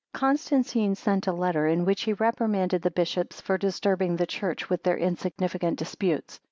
Constantine sent a letter, in which he reprimanded the bishops for disturbing the church with their insignificant disputes.